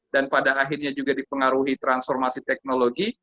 dan pada akhirnya juga dipengaruhi transformasi teknologi